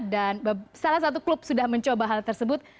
dan salah satu klub sudah mencoba hal tersebut